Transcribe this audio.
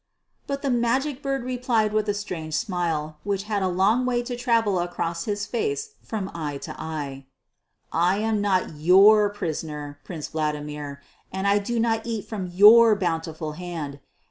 But the Magic Bird replied with a strange smile which had a long way to travel across his face from eye to eye. "I am not your prisoner, Prince Vladimir, and do not eat from your bountiful hand.